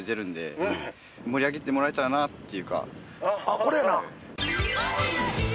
これやな